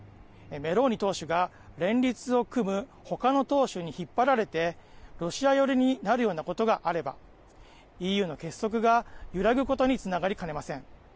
メローニ党首が連立を組む他の党首に引っ張られてロシア寄りになるようなことがあればＥＵの結束が揺らぐことにつながりかねません。